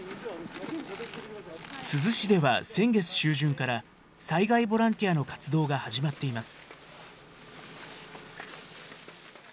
珠洲市では、先月中旬から、災害ボランティアの活動が始まっています。